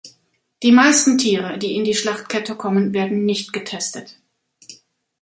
Die meisten Tiere, die in die Schlachtkette kommen, werden nicht getestet.